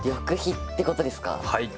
はい。